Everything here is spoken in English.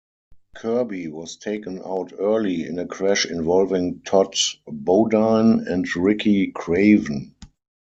Kirby was taken out early in a crash involving Todd Bodine and Ricky Craven.